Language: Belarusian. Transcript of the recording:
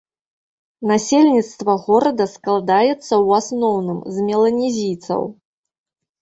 Насельніцтва горада складаецца ў асноўным з меланезійцаў.